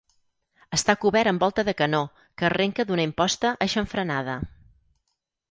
Està cobert amb volta de canó que arrenca d'una imposta aixamfranada.